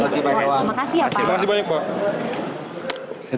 terima kasih banyak pak